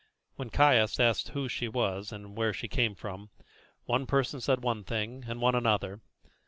When Caius asked who she was, and where she came from, one person said one thing and one another.